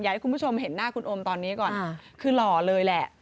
ให้คุณผู้ชมเห็นหน้าคุณโอมตอนนี้ก่อนคือหล่อเลยแหละ